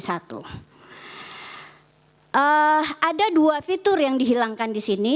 ada dua fitur yang dihilangkan di sini